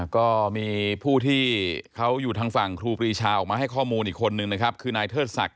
ก็มีผู้ที่เขาอยู่ทางฝั่งครูพิชาออกมาให้ข้อมูลอีกคนหนึ่งนะครับ